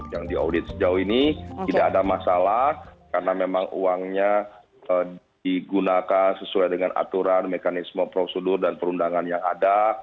yang diaudit sejauh ini tidak ada masalah karena memang uangnya digunakan sesuai dengan aturan mekanisme prosedur dan perundangan yang ada